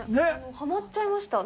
はまっちゃいました。